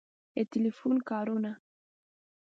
د ټیلیفون کارونه